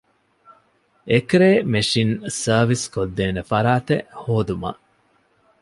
އެކްރޭ މެޝިން ސަރވިސްކޮށްދޭނެ ފަރާތެއް ހޯދުމަށް